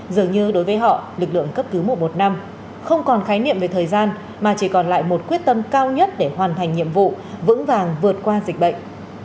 dường như đối với họ lực lượng cấp cứu một trăm một mươi năm không còn khái niệm về thời gian mà chỉ còn lại một quyết tâm cao nhất để hoàn thành nhiệm vụ vững vàng vượt qua dịch bệnh